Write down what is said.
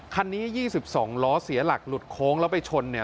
คันนี้๒๒ล้อเสียหลักหลุดโค้งแล้วไปชนเนี่ย